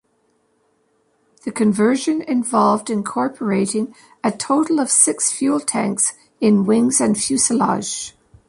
The conversion involved incorporating a total of six fuel tanks in wings and fuselage.